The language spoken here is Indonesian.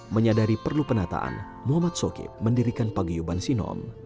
menyadari perlu penataan muhammad sokip mendirikan paguyuban sinom